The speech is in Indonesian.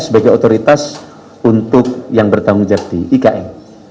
sebagai otoritas untuk yang bertanggung jawab di ikn